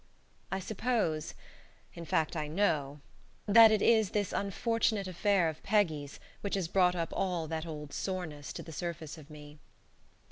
I suppose in fact, I know that it is this unfortunate affair of Peggy's which has brought up all that old soreness to the surface of me.